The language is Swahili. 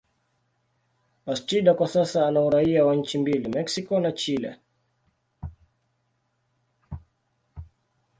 Bastida kwa sasa ana uraia wa nchi mbili, Mexico na Chile.